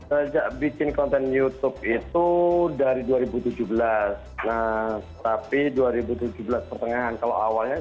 sejak bikin konten youtube itu dari dua ribu tujuh belas nah tapi dua ribu tujuh belas pertengahan kalau awalnya